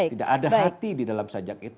tidak ada hati di dalam sajak itu